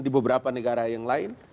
di beberapa negara yang lain